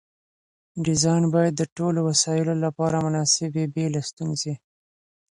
ډیزاین باید د ټولو وسایلو لپاره مناسب وي بې له ستونزې.